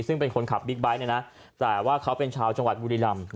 ซึ่งเป็นคนขับบิ๊กไบท์เนี่ยนะแต่ว่าเขาเป็นชาวจังหวัดบุรีรำ